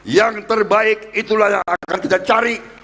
yang terbaik itulah yang akan kita cari